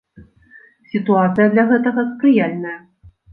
Сітуацыя для гэтага спрыяльная.